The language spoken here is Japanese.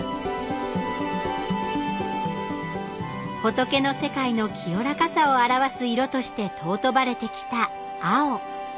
仏の世界の清らかさを表す色として尊ばれてきた青。